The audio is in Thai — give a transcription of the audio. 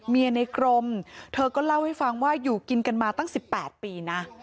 ในกรมเธอก็เล่าให้ฟังว่าอยู่กินกันมาตั้ง๑๘ปีนะ